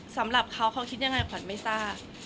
สำหรับเขาเขาคิดยังไงขวัญไม่ทราบ